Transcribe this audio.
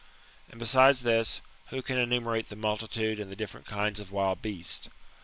] And besides this, who can enumerate the multitude and the different kinds of wild beasts?